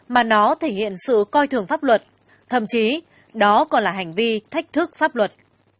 mà nó thể hiện sự coi thường pháp luật thậm chí đó còn là hành vi thách thức pháp luật